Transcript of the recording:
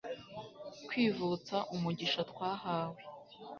kwivutsa umugisha twahawe